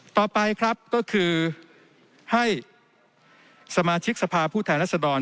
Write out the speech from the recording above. ต่อไปครับก็คือให้สมาชิกสภาพผู้แทนรัศดร